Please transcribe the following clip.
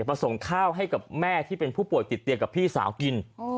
มาส่งข้าวให้กับแม่ที่เป็นผู้ป่วยติดเตียงกับพี่สาวกิน